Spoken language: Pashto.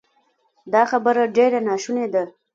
دا خبره ډېره ناشونې ده